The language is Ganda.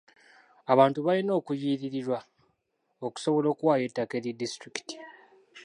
Abantu balina okuliyirirwa okusobola okuwaayo ettaka eri disitulikiti.